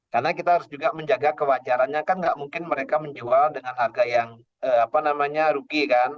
karena kita harus juga menjaga kewajarannya kan nggak mungkin mereka menjual dengan harga yang ruki kan